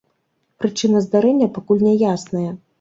Прычына здарэння пакуль няясная.